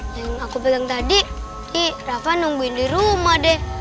yang aku bilang tadi rafa nungguin di rumah deh